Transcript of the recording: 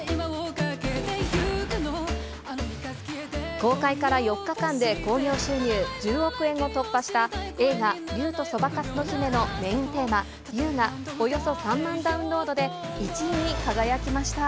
公開から４日間で興行収入１０億円を突破した映画、竜とそばかすの姫のメインテーマ、Ｕが、およそ３万ダウンロードで１位に輝きました。